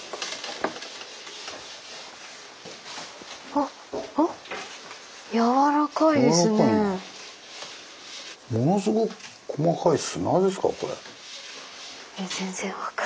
ああっやわらかいですね。